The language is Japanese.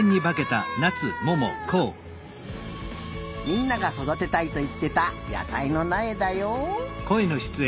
みんながそだてたいといってた野さいのなえだよ。